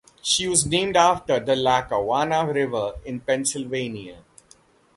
She was named after the Lackawanna River in Pennsylvania.